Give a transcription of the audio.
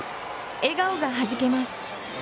笑顔がはじけます。